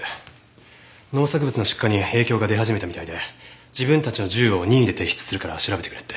農作物の出荷に影響が出始めたみたいで自分たちの銃を任意で提出するから調べてくれって。